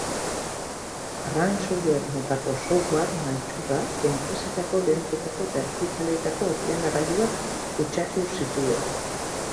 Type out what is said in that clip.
Ransomware motako software maltzurra enpresetako, dendetako eta ospitaleetako ordenagailuak kutsatu zituen.